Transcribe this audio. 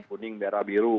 kuning merah biru